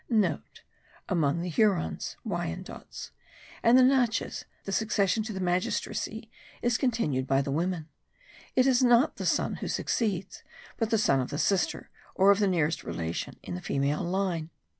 *(* Among the Hurons (Wyandots) and the Natchez the succession to the magistracy is continued by the women: it is not the son who succeeds, but the son of the sister, or of the nearest relation in the female line.